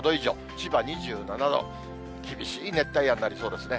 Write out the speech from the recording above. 千葉２７度、厳しい熱帯夜になりそうですね。